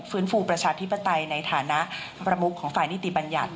ฟูประชาธิปไตยในฐานะประมุขของฝ่ายนิติบัญญัติ